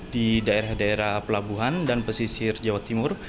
di daerah daerah pelabuhan dan pesisir jawa timur